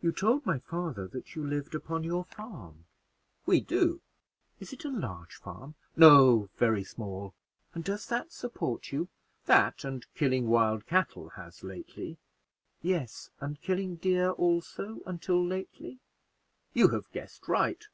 "You told my father that you lived upon your farm?" "We do." "Is it a large farm?" "No; very small." "And does that support you?" "That and killing wild cattle has lately." "Yes, and killing deer also, until lately?" "You have guessed right."